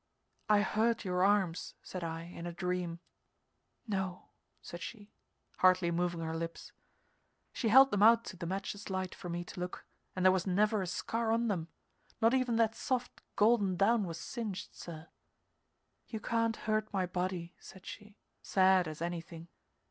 "I hurt your arms," said I, in a dream. "No," said she, hardly moving her lips. She held them out to the match's light for me to look and there was never a scar on them not even that soft, golden down was singed, sir. "You can't hurt my body," said she, sad as anything.